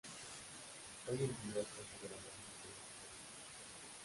Hoy en día es considerada una película de culto.